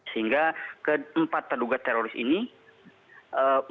sehingga keempat terduga teroris ini melakukan penyewaan